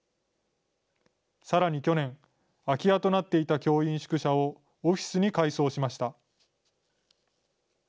さらに去年、空き家となっていた教員宿舎をオフィスに改装しました。